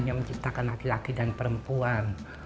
yang menciptakan laki laki dan perempuan